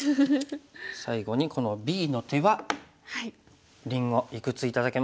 最後にこのＢの手はりんごいくつ頂けますか？